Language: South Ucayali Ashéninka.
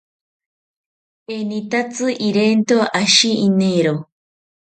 Enitatzi irento ashi iniro